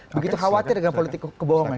begitu khawatir dengan politik kebohongan